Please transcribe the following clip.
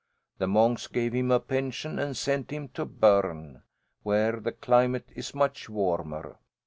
The monks gave him a pension and sent him to Berne, where the climate is much warmer.